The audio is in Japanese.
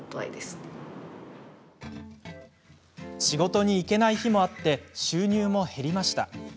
仕事に行けない日もあって収入も減りました。